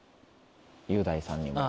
雄大さんにも。